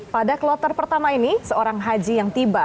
pada kloter pertama ini seorang haji yang tiba